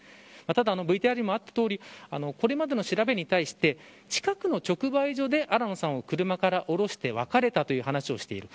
ただ、ＶＴＲでもあったとおりこれまでの調べに対して近くの直売所で新野さんを車から降ろして別れたと話をしている。